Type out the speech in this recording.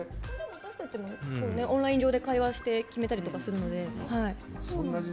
私たちもオンライン上で決めたりとかするので。